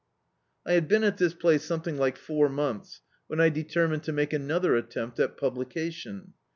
I had been at this place something like four months, when I determined to make another attempt at publication.